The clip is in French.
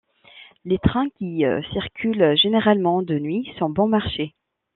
Les trains, qui circulent généralement de nuit sont bon marché.